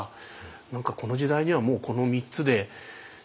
何かこの時代にはもうこの３つで手詰まり。